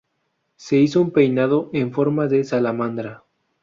Se hizo un peinado en forma de salamandra.